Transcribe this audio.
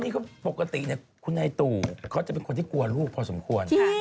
นี่ก็ปกติคุณนายตู่เขาจะเป็นคนที่กลัวลูกพอสมควร